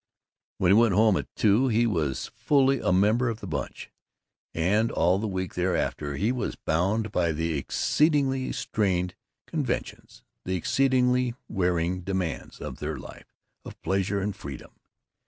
When he went home, at two, he was fully a member of the Bunch, and all the week thereafter he was bound by the exceedingly straitened conventions, the exceedingly wearing demands, of their life of pleasure and freedom.